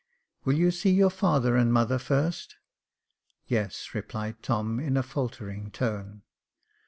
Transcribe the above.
"Will you see your father and mother first?'* " Yes," replied Tom, in a faltering tone.